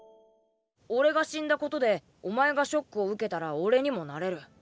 俺が死んだことでお前がショックを受けたら俺にもなれる。